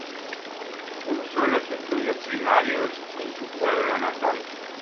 Cursó los estudios primarios en su pueblo natal.